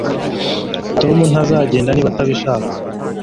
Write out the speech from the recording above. Tom ntazagenda niba utabishaka